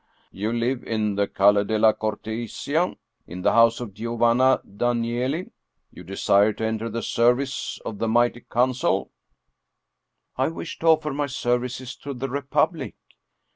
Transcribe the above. " You live in the Calle della Cortesia, in the house of Giovanna Danieli. You desire to enter the service of the mighty Council?" " I wish to offer my services to the Republic."